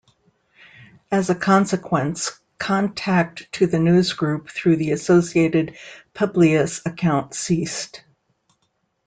As a consequence, contact to the newsgroup through the associated Publius account ceased.